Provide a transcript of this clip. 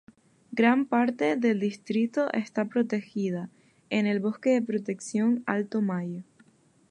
Gran parte del distrito está protegida, en el Bosque de Protección Alto Mayo.